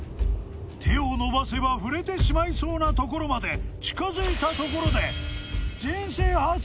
手を伸ばせば触れてしまいそうなところまで近づいたところで